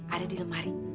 ada di lemari